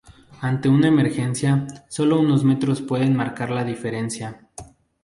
Ante una emergencia, sólo unos metros pueden marcar la diferencia.